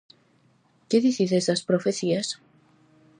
Que dicides das profecías?